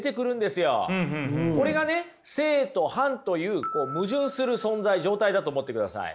これがね正と反という矛盾する存在状態だと思ってください。